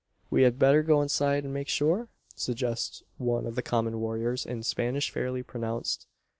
"We had better go inside, and make sure?" suggests one of the common warriors, in Spanish fairly pronounced.